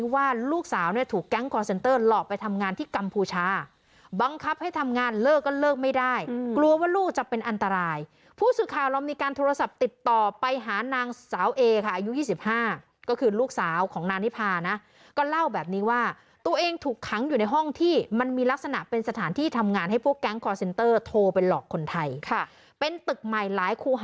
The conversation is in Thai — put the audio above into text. หลอกไปทำงานที่กำพูชาบังคับให้ทำงานเลิกก็เลิกไม่ได้อืมกลัวว่าลูกจะเป็นอันตรายผู้สื่อข่าวรอบนิการโทรศัพท์ติดต่อไปหานางสาวเอค่ะอายุยี่สิบห้าก็คือลูกสาวของนางนิพานะก็เล่าแบบนี้ว่าตัวเองถูกขังอยู่ในห้องที่มันมีลักษณะเป็นสถานที่ทำงานให้พวกแก๊งคอร์เซนเตอร์โทร